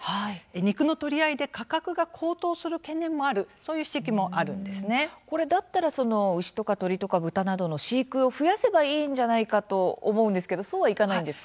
肉の取り合いで価格が高騰する懸念もあるだったら牛とか鶏とか豚などの飼育を増やせばいいのではないかと思うんですがそうはいかないんですか。